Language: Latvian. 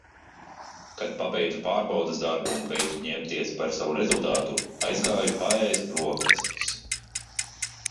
Kad pabeidzu pārbaudes darbu un beidzu ņemties par savu rezultātu, aizgāju paēst brokastis.